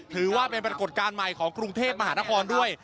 ถือว่าเป็นปรากฏการณ์ใหม่ของกรุงเทพมหานครด้วย